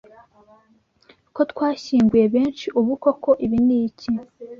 ko twashyinguye benshi Ubu koko ibi ni iki?